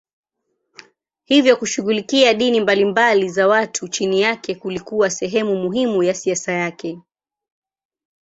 Hivyo kushughulikia dini mbalimbali za watu chini yake kulikuwa sehemu muhimu ya siasa yake.